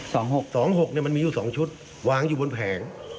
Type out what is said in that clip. หกสองหกเนี้ยมันมีอยู่สองชุดวางอยู่บนแผง